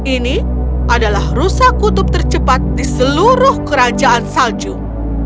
ini adalah rusa kutub tercepat di seluruh kerajaan salju